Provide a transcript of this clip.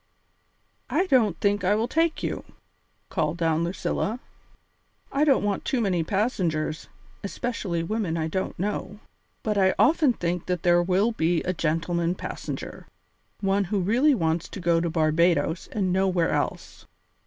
"I don't think I will take you," called down Lucilla. "I don't want too many passengers, especially women I don't know. But I often think there will be a gentleman passenger one who really wants to go to Barbadoes and nowhere else.